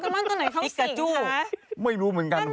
มีตัวหนึ่งที่ชื่อเป็นใคร